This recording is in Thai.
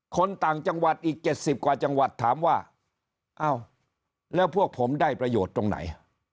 คนต่างจังหวัดอีก๗๐กว่าจังหวัดถามว่าอ้าวแล้วพวกผมได้ประโยชน์ตรงไหน